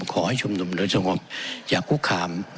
ขอให้ชุมนุมโดยสงบอย่าคุกคาม